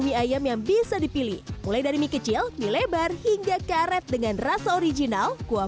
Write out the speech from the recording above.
mie ayam yang bisa dipilih mulai dari mie kecil mie lebar hingga karet dengan rasa original kuah